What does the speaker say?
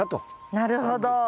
なるほど。